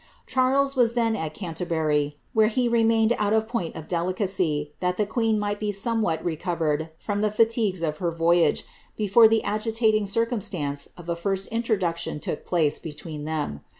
Charles was then at Canterbury, where he re mained out of a point of delicacy, that the queen might be somewhat recovered from the fatigues of her voyage, before the agitating circum stance of a first introduction took place between them.